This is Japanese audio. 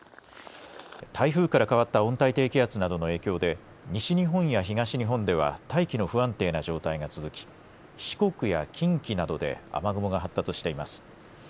台風から変わった温帯低気圧などの影響で西日本や東日本では大気の不安定な状態が続き四国や近畿などで雨雲が発達しています。